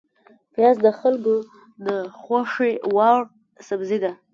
پیاز د خلکو د خوښې وړ سبزی ده